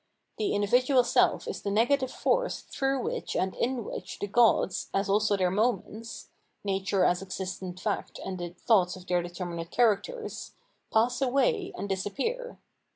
The individual* seH is the negative force through which and in which the gods, as also their moments, (nature as existent fact and the thoughts of their determinate characters), pass away and disappear.